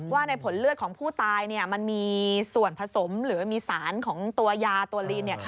ว่าในผลเลือดของผู้ตายมันมีส่วนผสมหรือมีสารของตัวยาตัวลีน